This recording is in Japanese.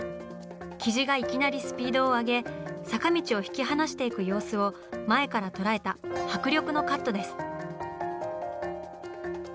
雉がいきなりスピードを上げ坂道を引き離していく様子を前から捉えた迫力のカットです。